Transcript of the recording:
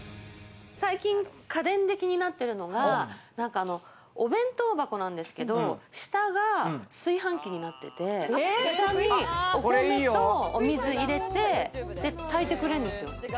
最近、家電で気になってるのが、お弁当箱なんですけど、下が炊飯器になってて、下にお米とお水を入れて炊いてくれるんですよ。